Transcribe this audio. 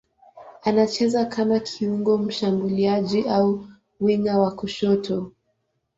Anacheza kama kiungo mshambuliaji au winga wa kushoto.